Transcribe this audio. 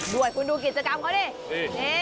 ด้วยคุณดูกิจกรรมเขาดิ